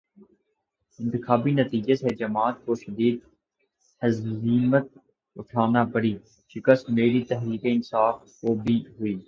انتخابی نتیجے سے جماعت کو شدید ہزیمت اٹھانا پڑی، شکست مگر تحریک انصاف کو بھی ہوئی ہے۔